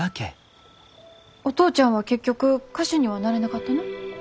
お父ちゃんは結局歌手にはなれなかったの？